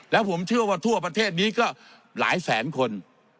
แล้วผมเชื่อว่าทั่วประเทศนี้ก็หลายแสนคน